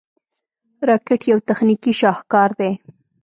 راکټ یو تخنیکي شاهکار دی